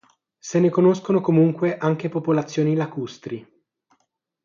Se ne conoscono comunque anche popolazioni lacustri.